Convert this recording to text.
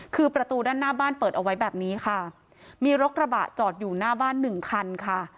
คือประตูด้านหน้าบ้านเปิดเอาไว้แบบนี้ค่ะมีรถกระบะจอดอยู่หน้าบ้านหนึ่งคันค่ะ